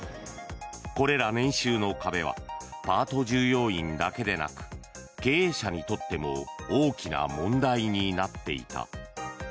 これら年収の壁はパート従業員だけでなく経営者にとっても大きな問題になっていた。